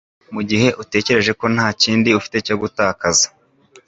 mugihe utekereje ko ntakindi ufite cyo gutakaza